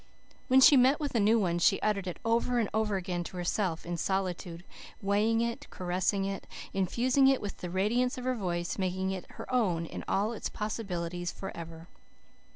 When she met with a new one she uttered it over and over to herself in solitude, weighing it, caressing it, infusing it with the radiance of her voice, making it her own in all its possibilities for ever.